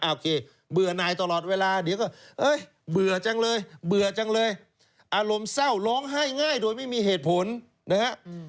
โอเคเบื่อหน่ายตลอดเวลาเดี๋ยวก็เอ้ยเบื่อจังเลยเบื่อจังเลยอารมณ์เศร้าร้องไห้ง่ายโดยไม่มีเหตุผลนะฮะ